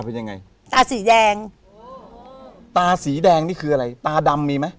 เป็นยังไงตาสีแดงตาสีแดงนี่คืออะไรตาดำมีไหม